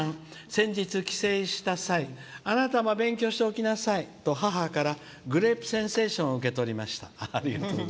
「先日、帰省した際あなたも勉強しておきなさいと母から「グレープセンセーション」を受け取りました。